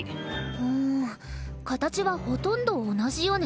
うん形はほとんど同じよね。